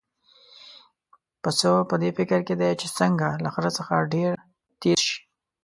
پسه په دې فکر کې دی چې څنګه له خره څخه ډېر تېز شي.